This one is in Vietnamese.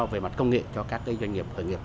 về mặt công nghệ cho các doanh nghiệp khởi nghiệp